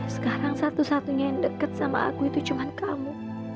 sekarang satu satunya yang deket sama aku itu cuma kamu